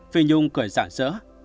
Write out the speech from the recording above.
phi nhung cười giản dỡ